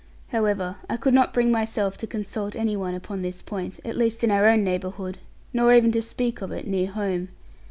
However, I could not bring myself to consult any one upon this point, at least in our own neighbourhood, nor even to speak of it near home.